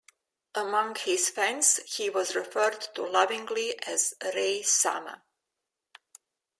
Among his fans he was referred to lovingly as Rai-sama.